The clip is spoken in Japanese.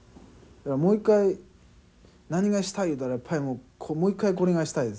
もう一回何がしたい言うたらやっぱりもう一回これがしたいですね。